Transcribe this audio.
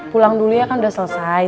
pulang dulu ya kan udah selesai